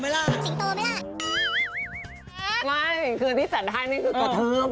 ไม่คือพี่จัดให้นี่ก็เทิบ